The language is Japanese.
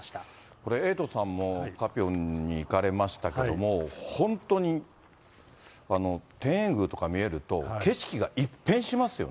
これ、エイトさんもカピョンに行かれましたけれども、本当に天苑宮とか見えると、景色が一変しますよね。